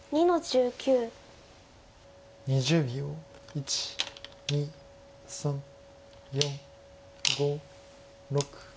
１２３４５６。